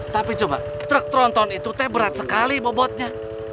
tapi coba truk tronton itu teh berat sekali bobotnya